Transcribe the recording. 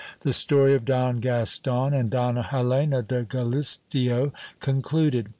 The story of Don Gaston and Donna Helena de Galisteo concluded.